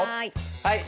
はい。